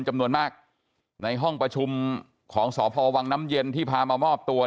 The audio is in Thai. จำนวนมากในห้องประชุมของสพวังน้ำเย็นที่พามามอบตัว